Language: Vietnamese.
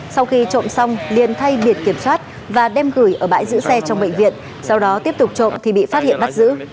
sau khi trộm xong liền thay biển kiểm soát và đem gửi ở bãi giữ xe trong bệnh viện sau đó tiếp tục trộm thì bị phát hiện bắt giữ